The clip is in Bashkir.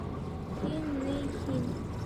— Һин, ни, һин!..